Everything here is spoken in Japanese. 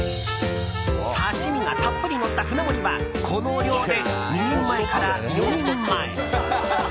刺し身がたっぷりのった舟盛りはこの量で２人前から４人前。